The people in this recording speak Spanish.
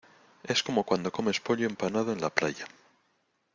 es como cuando comes pollo empanado en la playa.